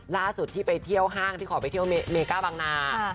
ล่าสุดที่ไปเที่ยวห้างที่ขอไปเที่ยวเมก้าบางนา